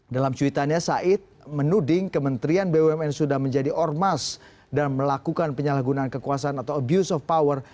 dalam cuitannya said menuding kementerian bumn sudah menjadi ormas dan melakukan penyalahgunaan kekuasaan atau abuse of power